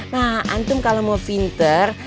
nah antum kalo mau finter